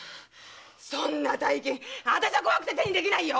そんな大金あたしゃ怖くて手にできないよ！